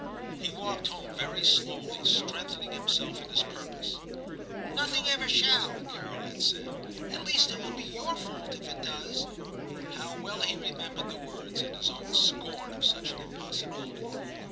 He walked home very slowly, strengthening himself in his purpose. * Nothing ever shall,' Carol had said ;* at least it will be your fault if it does.* How well he remembered the words, and his own scorn of such an impos sibility.